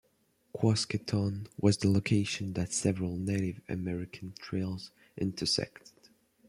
Quasqueton was the location that several Native American trails intersected.